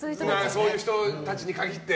そういう人たちって。